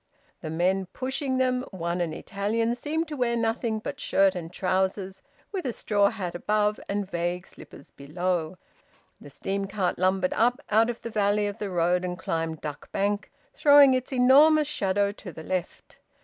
The men pushing them, one an Italian, seemed to wear nothing but shirt and trousers, with a straw hat above and vague slippers below. The steam car lumbered up out of the valley of the road and climbed Duck Bank, throwing its enormous shadow to the left.